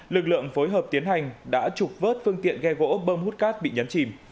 lực lượng phối hợp tiến hành đã trục vớt phương tiện ghe gỗ bơm hút cát bị nhấn chìm